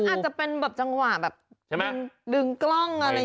มันเป็นแบบจังหวะดึงกล้องอะไรอย่างนี้